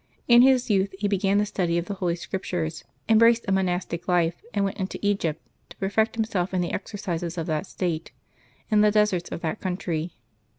In his youth he began the study of the Holy Scriptures, embraced a monastic life, and went into Egypt to perfect himself in the exercises of that state, in the deserts of that country.